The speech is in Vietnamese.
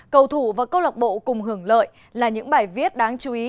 cầu thủ và cơ lộc bộ cùng hưởng lợi là những bài viết đáng chú ý